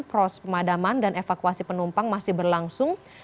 proses pemadaman dan evakuasi penumpang masih berlangsung